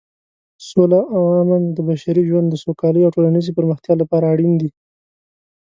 سوله او امن د بشري ژوند د سوکالۍ او ټولنیزې پرمختیا لپاره اړین دي.